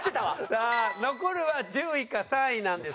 さあ残るは１０位か３位なんですけども。